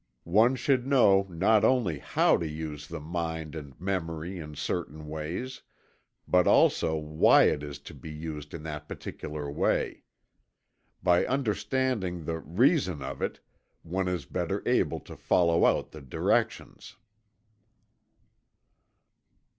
One should know not only "how" to use the mind and memory in certain ways, but also "why" it is to be used in that particular way. By understanding the "reason of it," one is better able to follow out the directions.